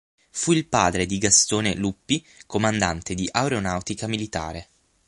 Fu il padre di Gastone Luppi comandante di aeronautica militare.